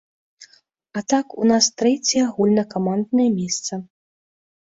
А так у нас трэцяе агульнакаманднае месца.